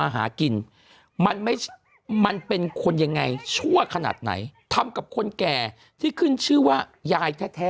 หากินมันไม่มันเป็นคนยังไงชั่วขนาดไหนทำกับคนแก่ที่ขึ้นชื่อว่ายายแท้